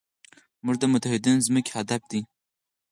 زموږ د متحدینو ځمکې هدف دی.